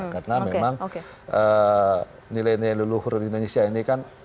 karena memang nilai nilai leluhur di indonesia ini kan